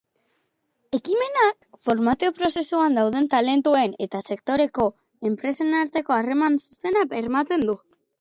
Ekimenak formazio prozesuan dauden talentuen eta sektoreko enpresen arteko harreman zuzena bermatzen du.